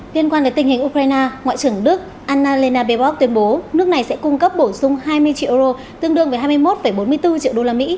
liên quan đến tình hình ukraine ngoại trưởng đức annalena bebov tuyên bố nước này sẽ cung cấp bổ sung hai mươi triệu euro tương đương với hai mươi một bốn mươi bốn triệu đô la mỹ